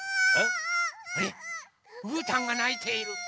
うーたんがないている。